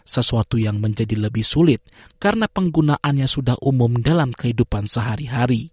sesuatu yang menjadi lebih sulit karena penggunaannya sudah umum dalam kehidupan sehari hari